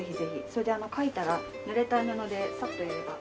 それで描いたらぬれた布でサッとやれば。